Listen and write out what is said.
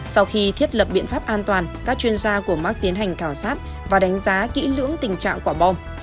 sau khi thiết lập biện pháp an toàn các chuyên gia của mark tiến hành khảo sát và đánh giá kỹ lưỡng tình trạng quả bom